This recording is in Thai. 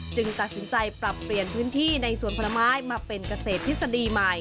ตัดสินใจปรับเปลี่ยนพื้นที่ในสวนผลไม้มาเป็นเกษตรทฤษฎีใหม่